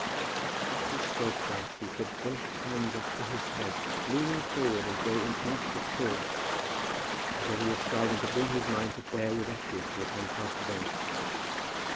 As he spoke thus he put both hands up to his head, leaning forward as though in anxious thought, as though he were striving to bring his mind to bear with accuracy upon past events.